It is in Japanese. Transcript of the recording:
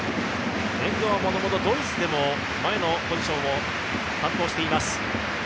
遠藤はもともとドイツでも前のポジションを担当しています。